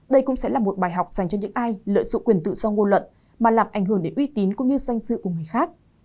đây cũng sẽ là một bài học dành cho những ai lợi dụng quyền tự do ngôn luận mà làm ảnh hưởng đến uy tín cũng như danh dự của người khác